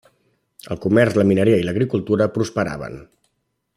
El comerç, la mineria i l'agricultura prosperaven.